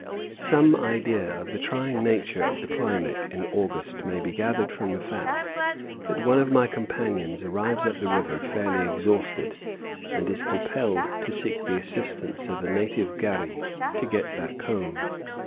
Some idea of the trying nature of the climate in August may be gathered from the fact that one of my companions arrives at the river fairly exhausted, and is compelled to seek the assistance of a native gharri to get back home.